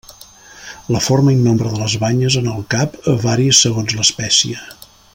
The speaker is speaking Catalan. La forma i nombre de les banyes en el cap vari segons l'espècie.